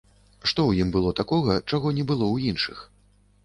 Што ў ім было такога, чаго не было ў іншых?